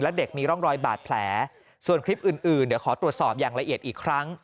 และเด็กมีร่องรอยบาดแผลส่วนคลิปอื่นเดี๋ยวขอตรวจสอบอย่างละเอียดอีกครั้ง